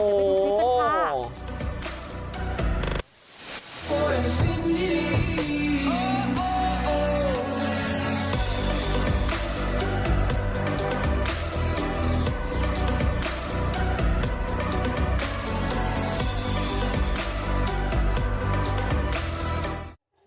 เป็นยังไงธรรมดาค่ะจะไม่ทำนะจ๊ะ